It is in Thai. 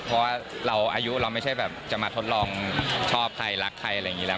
เพราะว่าเราอายุเราไม่ใช่แบบจะมาทดลองชอบใครรักใครอะไรอย่างนี้แล้ว